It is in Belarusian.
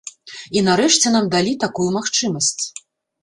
І нарэшце нам далі такую магчымасць.